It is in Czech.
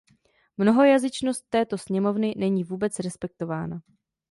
Mnohojazyčnost této sněmovny není vůbec respektována.